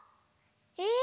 え。